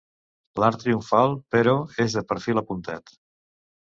L'arc triomfal, però, és de perfil apuntat.